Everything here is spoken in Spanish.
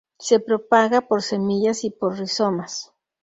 Se propaga por semillas y por rizomas.